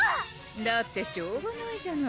だってしょうがないじゃない